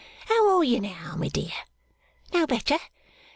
How are you now, my dear? No better?